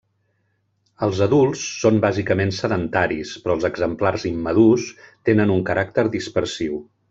Els adults són bàsicament sedentaris, però els exemplars immadurs tenen un caràcter dispersiu.